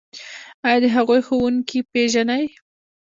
ایا د هغوی ښوونکي پیژنئ؟